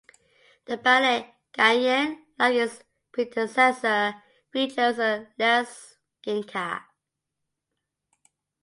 The ballet "Gayane", like its predecessor, features a Lezginka.